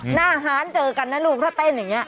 หน้าฮานเจอกันนะลูกถ้าเต้นอย่างนี้